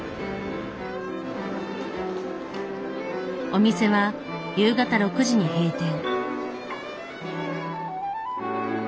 お店は夕方６時に閉店。